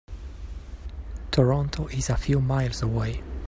Toronto is a few miles away.